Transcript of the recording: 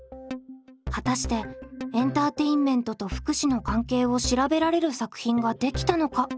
果たしてエンターテインメントと福祉の関係を調べられる作品ができたのか？